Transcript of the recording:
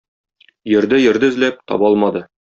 Йөрде-йөрде эзләп, таба алмады.